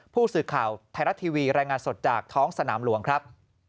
ผู้สื่อข่าวไทยรัฐทีวีรายงานสดจากท้องสนามหลวงครับ